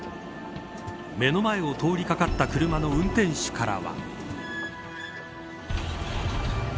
目の前を通り掛かった車の運転手からは。